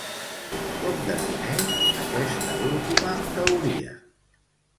Com defineix aquesta última teoria?